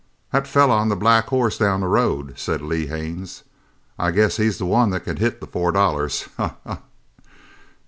"That fellow on the black horse down the road," said Lee Haines, "I guess he's the one that can hit the four dollars? Ha! ha! ha!"